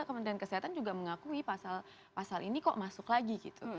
kementerian kesehatan juga mengakui pasal ini kok masuk lagi gitu